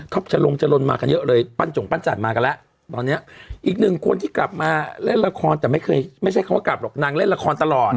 จะลงจรนมากันเยอะเลยปั้นจงปั้นจันทร์มากันแล้วตอนนี้อีกหนึ่งคนที่กลับมาเล่นละครแต่ไม่เคยไม่ใช่เขาก็กลับหรอกนางเล่นละครตลอด